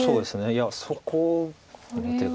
いやそここの手が。